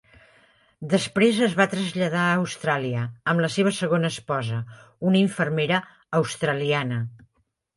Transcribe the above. Després es va traslladar a Austràlia amb la seva segona esposa, una infermera australiana.